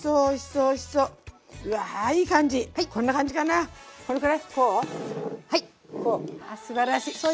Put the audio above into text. あすばらしい。